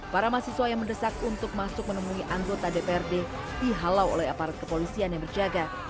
para mahasiswa yang mendesak untuk masuk menemui anggota dprd dihalau oleh aparat kepolisian yang berjaga